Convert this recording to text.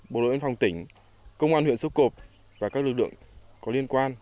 bộ đội biên phòng tỉnh công an huyện xúc cộp và các lực lượng có liên quan